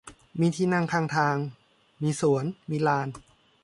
มีที่นั่งข้างทาง มีสวน มีลาน